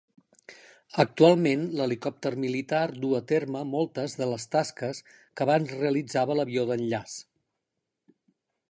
Actualment, l'helicòpter militar duu a terme moltes de les tasques que abans realitzava l'avió d'enllaç.